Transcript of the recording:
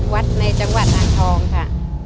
วัดในจังหวัดอ่างทองค่ะ